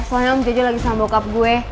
soalnya om jj lagi sama bokap gue